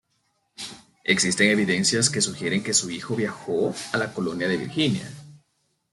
Existen evidencias que sugieren que su hijo viajó a la colonia de Virginia.